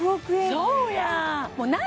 そうやん！